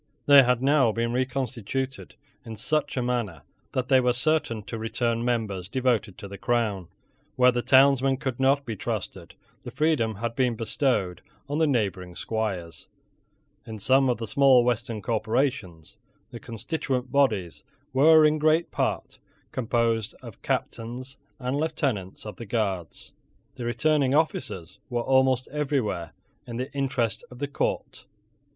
They had now been reconstituted in such a manner that they were certain to return members devoted to the crown. Where the townsmen could not be trusted, the freedom had been bestowed on the neighbouring squires. In some of the small western corporations, the constituent bodies were in great part composed of Captains and Lieutenants of the Guards. The returning officers were almost everywhere in the interest of the court.